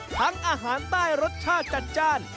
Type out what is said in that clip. อาหารใต้รสชาติจัดจ้าน